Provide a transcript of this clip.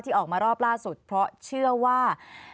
ออกมารอบล่าสุดเพราะเชื่อว่า